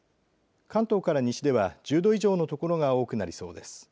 関東から西では１０度以上の所が多くなりそうです。